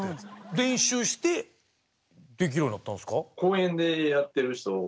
練習してできるようになったんですか？